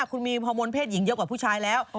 คุณมีฮอร์โมนเพศหญิงเยอะกว่าผู้ชายแล้ว